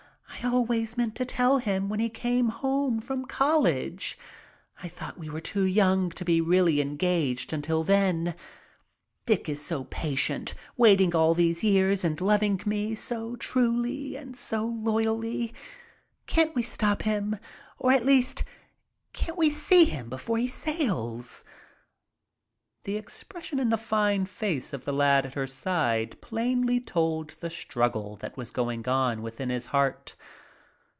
I always meant to tell him when he came home from college. I thought we were too young to be really engaged until then. Dick has been so patient, waiting all these years, and loving me so truly and so loyally. Can't we stop him, or at least can't we see him before he sails?" The expression in the fine face of the lad at her side plainly told the struggle that was going on within his heart.